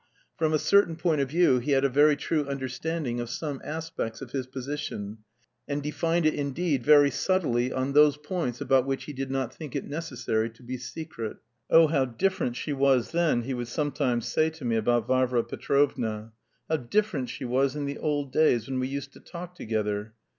From a certain point of view he had a very true understanding of some aspects of his position, and defined it, indeed, very subtly on those points about which he did not think it necessary to be secret. "Oh, how different she was then!" he would sometimes say to me about Varvara Petrovna. "How different she was in the old days when we used to talk together....